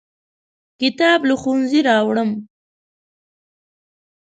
کتاب له ښوونځي راوړم.